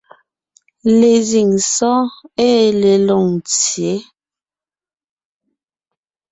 Lezíŋ sɔ́ɔn ée le Loŋtsyě,